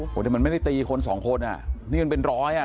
โอ้โหแต่มันไม่ได้ตีคนสองคนอ่ะนี่มันเป็นร้อยอ่ะ